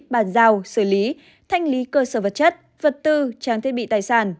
bàn giao xử lý thanh lý cơ sở vật chất vật tư trang thiết bị tài sản